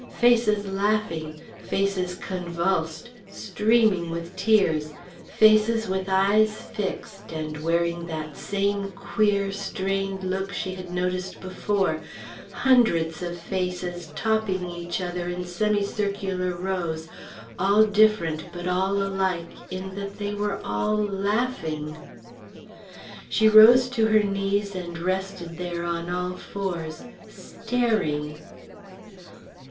Faces laughing; faces convulsed, streaming with tears; faces with eyes fixed and wearing that same queer, strained look she had noticed before; hundreds of faces topping each other in semicircular rows, all different but all alike in that they were all laughing. She rose to her knees and rested there on all fours staring.